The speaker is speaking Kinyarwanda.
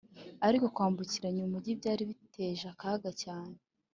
Ariko kwambukiranya umugi byari biteje akaga cyane